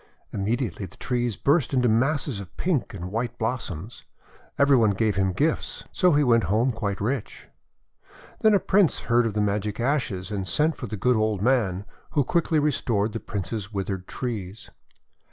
Immediately the trees burst into masses of pink and white blossoms. Every one gave him gifts, so he went home quite rich. Then a Prince heard of the magic ashes, and sent for the good old man, who quickly restored the Prince's withered trees.